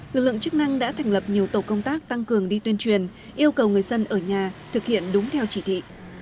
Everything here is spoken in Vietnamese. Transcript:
lực lượng chức năng đã thành lập nhiều tổ công tác tăng cường đi tuyên truyền yêu cầu người dân ở nhà thực hiện đúng theo chỉ thị